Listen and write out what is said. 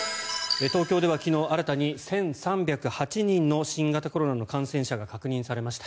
東京では昨日新たに１３０８人の新型コロナの感染者が確認されました。